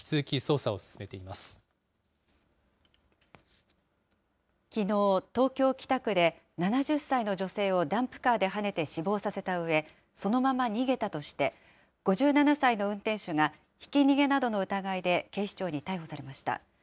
きのう、東京・北区で７０歳の女性をダンプカーではねて死亡させたうえ、そのまま逃げたとして、５７歳の運転手がひき逃げなどの疑いで警視庁に逮捕されました。